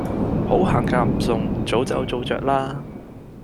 好行夾唔送，早走早著啦